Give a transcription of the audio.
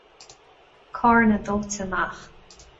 Carranna dóite amach.